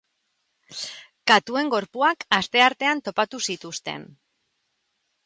Katuen gorpuak asteartean topatu zituzten.